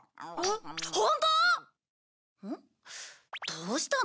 どうしたの？